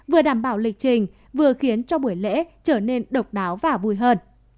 vừa đảm bảo lịch trình vừa khiến cho buổi lễ trở nên độc đáo và vui hơn